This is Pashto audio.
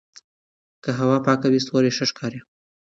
که هوا پاکه وي ستوري ښه ښکاري.